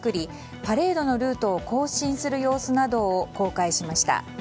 パレードのルートを行進する様子などを公開しました。